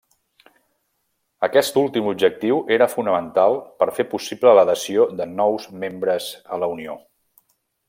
Aquest últim objectiu era fonamental per fer possible l'adhesió de nous membres a la Unió.